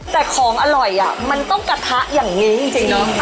แต่ของอร่อยมันต้องกระทะอย่างนี้จริงเนอะ